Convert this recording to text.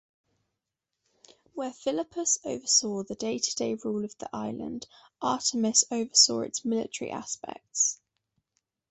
Whereas Philippus oversaw the day-to-day rule of the island, Artemis oversaw its military aspects.